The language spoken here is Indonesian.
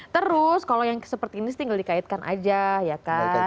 terus kalau yang seperti ini tinggal dikaitkan aja ya kan